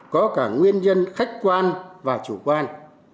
có cả nguyên nhân khách quan và chủ quan